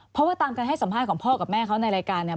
เพราะว่าตามการให้สัมภาษณ์ของพ่อกับแม่เขาในรายการเนี่ย